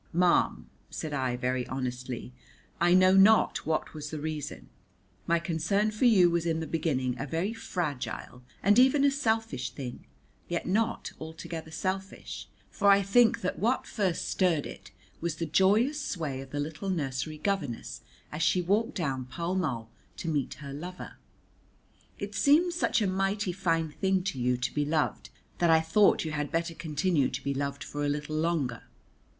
"Ma'am," said I very honestly, "I know not what was the reason. My concern for you was in the beginning a very fragile and even a selfish thing, yet not altogether selfish, for I think that what first stirred it was the joyous sway of the little nursery governess as she walked down Pall Mall to meet her lover. It seemed such a mighty fine thing to you to be loved that I thought you had better continue to be loved for a little longer.